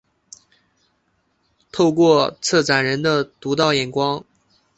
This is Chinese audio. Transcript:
透过策展人的独到眼光